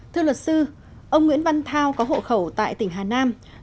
thưa luật sư ông nguyễn văn thao có hộ khẩu tại tỉnh đà nẵng